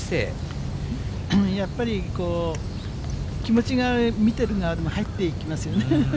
やっぱりこう、気持ちが見てる側にも入っていきますよね。